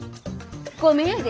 ごめんやで。